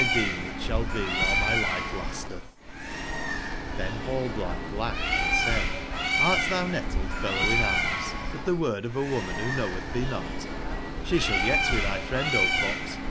deem it shall be while my life lastcth"^ IThen Hallblithe laughed & said :''Hrt thou nettled, fellow/in/arms, atthewordofawomanwhoknowetb thee not ? She shall yet be thy friend, O fox.